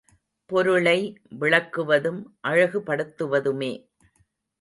பொருளை விளக்குவதும் அழகுபடுத்துவதுமே